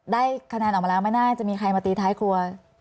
ได้คะแนนออกมาแล้วไม่น่าจะมีใครมาตีท้ายครัว